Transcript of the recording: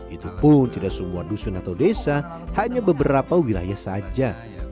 itu pun tidak semua dusun atau desa hanya beberapa wilayah saja